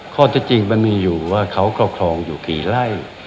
ข้อเท็จจริงมันมีอยู่ว่าเขาครอบครองอยู่กี่ไร่